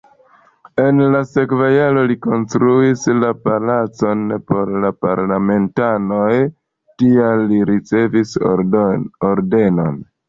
En la sekva jaro li konstruis palacon por parlamentanoj, tial li ricevis ordenon.